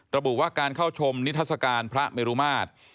ระบุว่าการเข้าชมนิทัศกาลพระเมรุมาตร